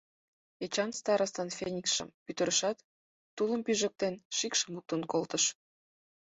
Эчан старостан фениксшым пӱтырышат, тулым пижыктен, шикшым луктын колтыш.